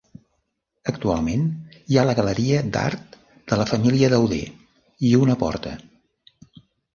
Actualment hi ha la galeria d'art de la família Dauder i una porta.